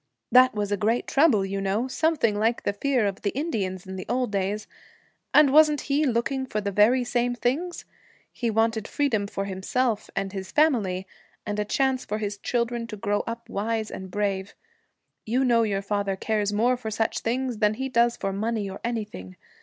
That was a great trouble, you know; something like the fear of the Indians in the old days. And wasn't he looking for the very same things? He wanted freedom for himself and his family, and a chance for his children to grow up wise and brave. You know your father cares more for such things than he does for money or anything.